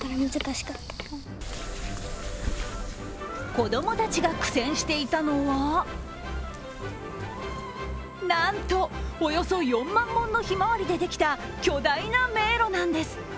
子供たちが苦戦していたのはなんと、およそ４万本のひまわりでできた巨大な迷路なんです。